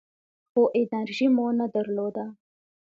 خو انرژي مو نه درلوده .